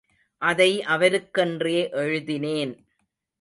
அதை அவருக்கென்றே எழுதினேன்.